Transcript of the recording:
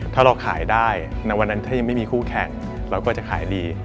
ถ้าเราขายได้ในวันนั้นถ้ายังไม่มีคู่แข่งเราก็จะขายดี